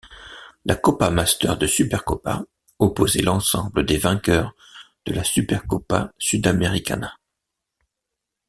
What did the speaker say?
La Copa Master de Supercopa opposait l'ensemble des vainqueurs de la Supercopa Sudamericana.